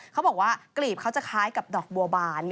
เขาบอกว่ากลีบเขาจะคล้ายกับดอกบัวบาน